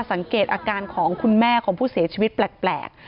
สังเกตอาการของคุณแม่ของผู้เสียชีวิตแปลก